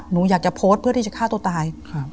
หนูอยากจะโพสต์เพื่อที่จะฆ่าตัวตาย